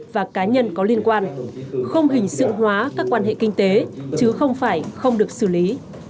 và cá nhân có liên quan không hình sự hóa các quan hệ kinh tế chứ không phải không được xử lý